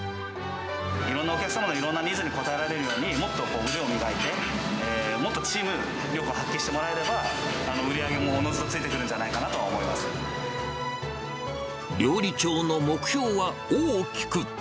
いろんなお客様のいろんなニーズに応えられるように、もっと腕を磨いて、もっとチーム力を発揮してもらえれば、売り上げもおのずとついて料理長の目標は大きく。